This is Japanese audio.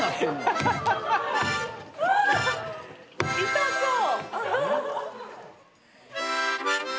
痛そう！